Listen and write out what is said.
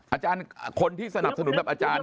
อาจารย์คนที่สนับสนุนแบบอาจารย์